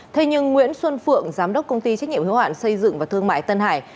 thế nhưng nguyễn xuân phượng giám đốc công ty trách nhiệm hiếu hạn xây dựng và thương mại tân hải